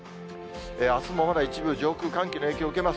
あすもまだ一部、上空、寒気の影響受けます。